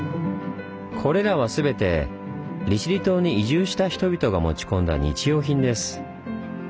これらは全て利尻島に移住した人々が持ち込んだ日用品です。